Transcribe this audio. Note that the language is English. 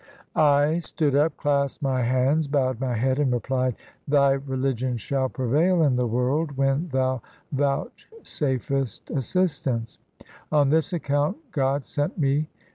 I stood up, clasped my hands, bowed my head, and replied :—' Thy religion shall prevail in the world when Thou vouch safest assistance.' On this account God sent me.